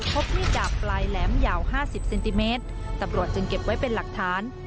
พบมีดดาบปลายแหลมยาว๕๐เซนติเมตรตำรวจจึงเก็บไว้เป็นหลักฐาน